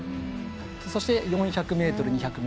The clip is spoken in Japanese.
そして、４００ｍ、２００ｍ。